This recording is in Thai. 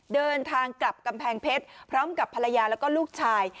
เดินทางกลับกำแพงเพชรพร้อมกับภรรยาแล้วก็ลูกชาย